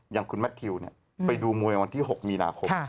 อย่างคุณแมททิวไปดูมวยวันที่๖มีนาคม